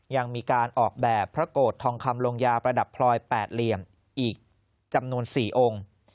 ยังมีการออกแบบพระโกรธทองคำลงยาประดับพลอย๘เหลี่ยมอีกจำนวน๔องค์